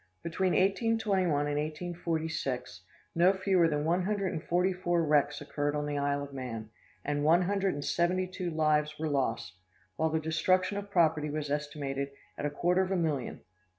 Between 1821 1846, no fewer than one hundred and forty four wrecks occurred on the Isle of Man, and "one hundred and seventy two lives were lost; while the destruction of property was estimated at a quarter of a million.